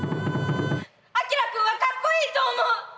あきら君はかっこいいと思う！